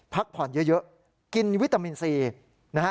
พักผ่อนเยอะกินวิตามินซีนะฮะ